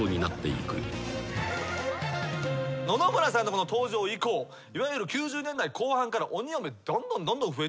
野々村さんの登場以降いわゆる９０年代後半から鬼嫁どんどんどんどん増えていくわけでございます。